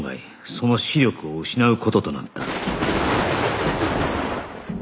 その視力を失う事となった